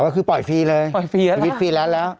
อ๋อคือปล่อยฟรีเลยแล้วฟรีแล้ว